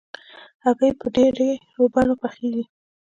هګۍ په ډېرو بڼو پخېږي.